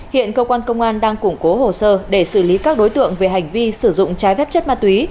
hiện cơ quan công an đang củng cố hồ sơ để xử lý các đối tượng về hành vi sử dụng trái phép chất ma túy